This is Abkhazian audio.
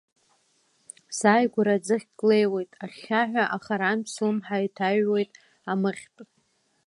Сааигәара ӡыхьк леиуеит ахьхьаҳәа, ахарантә слымҳа иҭаҩуеит амыхьтә.